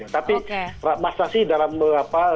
tapi masa sih dalam apa